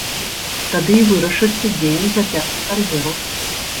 Тады і вырашыцца, дзе ён працягне кар'еру.